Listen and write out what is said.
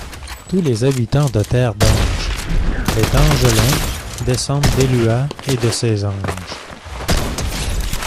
Tous les habitants de Terre d'Ange, les d’Angelins, descendent d’Elua et de ses anges.